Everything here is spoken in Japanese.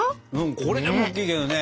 これでもおっきいけどね。